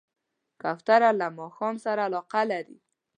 کوتره له ماښام سره علاقه لري.